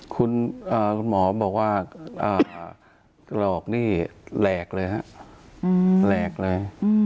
คุณหมอบอกว่าหลอกนี่แหลกเลยฮะแหลกเลย